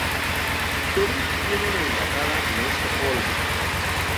Perú tiene una embajada en Estocolmo.